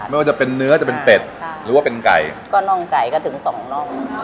ไม่ว่าจะเป็นเนื้อจะเป็นเป็ดค่ะหรือว่าเป็นไก่ก็น่องไก่ก็ถึงสองน่อง